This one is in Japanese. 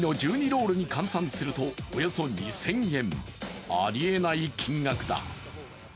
ロールに換算すると、およそ２０００円。ありえない金額だ。